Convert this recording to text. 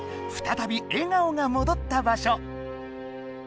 再び笑顔がもどった場所。